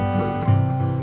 terima kasih ya mas